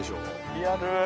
リアル！